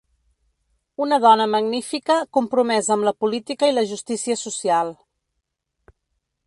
Una dona magnífica compromesa amb la política i la justícia social.